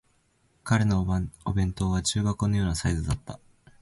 彼のお弁当は重箱のようなサイズだった